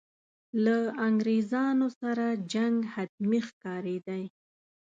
له انګرېزانو سره جنګ حتمي ښکارېدی.